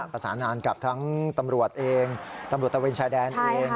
ประสานงานกับทั้งตำรวจเองตำรวจตะเวนชายแดนเอง